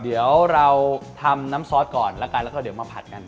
เดี๋ยวเราทำน้ำซอสก่อนแล้วกันแล้วก็เดี๋ยวมาผัดกัน